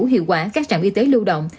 hiệu quả các trạm y tế lưu động